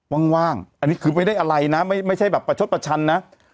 ว่างอันนี้คือไม่ได้อะไรนะไม่ใช่แบบประชดประชันนะ